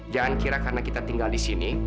jangan kira karena kita tinggal disini